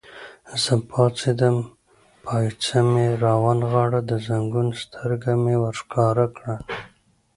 زه پاڅېدم، پایڅه مې را ونغاړل، د زنګون سترګه مې ور ښکاره کړل.